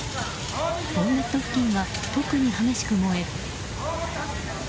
ボンネット付近が特に激しく燃え